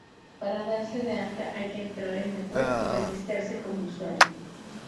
Para darse de alta hay que entrar en la web y registrarse como usuario.